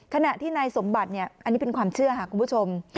ขณะที่นายสมบัติอันนี้เป็นความเชื่อค่ะคุณผู้ชม